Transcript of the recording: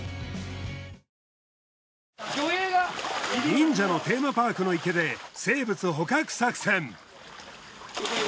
忍者のテーマパークの池で生物捕獲作戦。